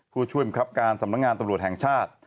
ผู้ช่วยบังคับการสำนักงานตำรวจแห่งชาติ